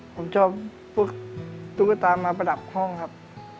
ผมชอบพวกตุ๊กตามาประดับห้องครับ